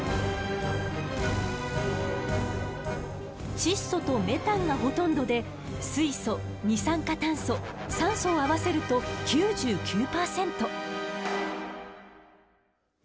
窒素とメタンがほとんどで水素二酸化炭素酸素を合わせると９９％。